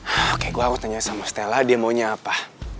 oke gue harus tanya sama stella dia maunya apa